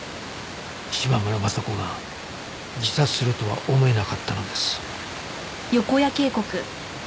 島村昌子が自殺するとは思えなかったのです